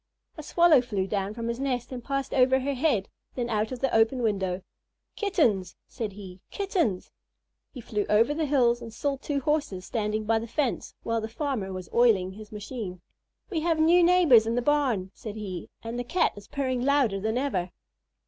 A Swallow flew down from his nest and passed over her head, then out of the open window. "Kittens!" said he. "Kittens!" He flew over the fields and saw two Horses standing by the fence while the farmer was oiling his machine. "We have new neighbors in the barn," said he, "and the Cat is purring louder than ever."